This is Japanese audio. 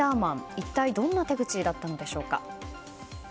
一体どんな手口だったのでしょうか。